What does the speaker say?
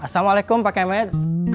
assalamualaikum pak kemet